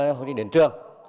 để phụ huynh đến trường